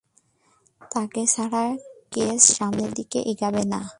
তাকে ছাড়া কেস সামনের দিকে এগোবে না।